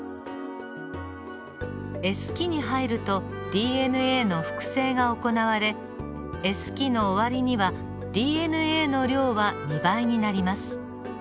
Ｓ期に入るとＤＮＡの複製が行われＳ期の終わりにはＤＮＡの量は２倍になります。